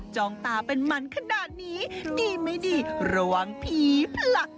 จองตาเป็นมันขนาดนี้ดีไม่ดีระวังผีผลัก